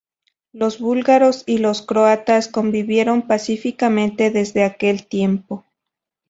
Los Búlgaros y los Croatas convivieron pacíficamente desde aquel tiempo.